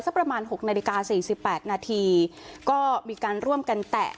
ประมาณ๖นาฬิกา๔๘นาทีก็มีการร่วมกันแตะ